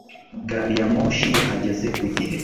Gari ya moshi yahageze ku gihe